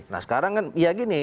nah sekarang kan ya gini